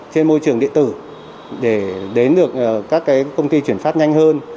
trên môi trường điện tử để đến được các công ty chuyển phát nhanh hơn